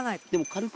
軽く。